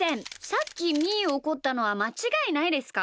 さっきみーをおこったのはまちがいないですか？